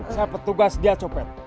saya petugas dia copet